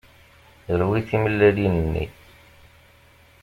Rwi timellalin-nni.